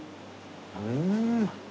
うん！